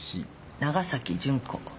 長崎純子。